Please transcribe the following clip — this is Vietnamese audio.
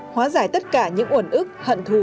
hóa giải tất cả những ổn ức hận thù